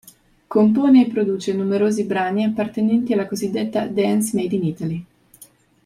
Compone e produce numerosi brani appartenenti alla cosiddetta “Dance made in Italy”.